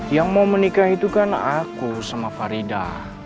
yang mau menikah itu kan aku sama farida